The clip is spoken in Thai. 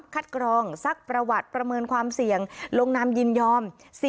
กรองซักประวัติประเมินความเสี่ยงลงนามยินยอม